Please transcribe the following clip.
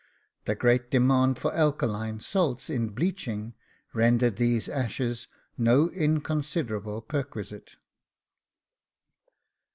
The great demand for alkaline salts in bleaching rendered these ashes no inconsiderable perquisite.